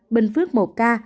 bình phước một ca